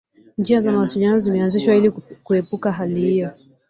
Njia za mawasiliano zimeanzishwa ili kuepuka hali hiyo